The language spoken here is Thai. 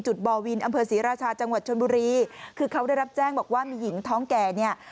บ่อวินอำเภอศรีราชาจังหวัดชนบุรีคือเขาได้รับแจ้งบอกว่ามีหญิงท้องแก่เนี่ย